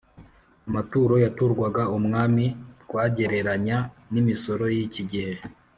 Amaturo yaturwaga umwami twagereranya n’imisoro y’iki gihe.